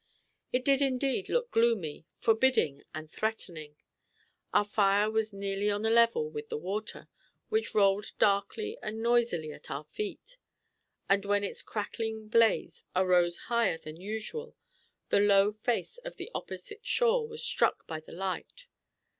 It did indeed look gloomy, forbidding, and threatening. Our fire was nearly on the level with the water, which rolled darkly and noisily at our very feet; and when its crackling blaze arose higher than usual, the low face of the opposite shore was struck by the light.